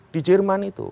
di jerman itu